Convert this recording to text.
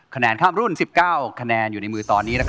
๙๙คะแนนคล้ำรุ่นอยู่ในมือตอนนี้